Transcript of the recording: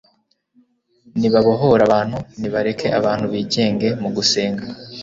nibabohore abantu ni bareke abantu bigenge mu gusenga,